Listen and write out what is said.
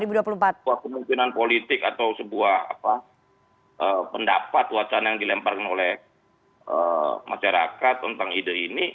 sebuah kemungkinan politik atau sebuah pendapat wacana yang dilemparkan oleh masyarakat tentang ide ini